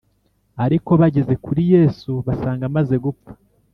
ariko bageze kuri Yesu basanga amaze gupfa